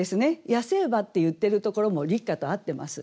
「野生馬」って言ってるところも「立夏」と合ってます。